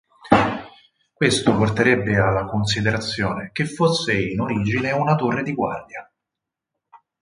Questo porterebbe alla considerazione che fosse in origine una torre di guardia.